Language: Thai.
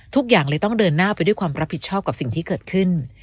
ทุกอย่างเลยต้องเดินหน้าไปด้วยความรับผิดชอบกับสิ่งที่เกิดขึ้น